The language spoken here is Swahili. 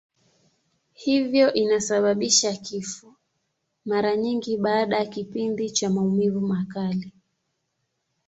Hivyo inasababisha kifo, mara nyingi baada ya kipindi cha maumivu makali.